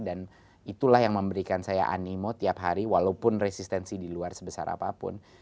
dan itulah yang memberikan saya animo tiap hari walaupun resistensi di luar sebesar apapun